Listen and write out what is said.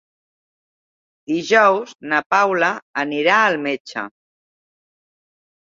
Dijous na Paula anirà al metge.